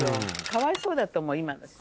かわいそうだと思う今の人。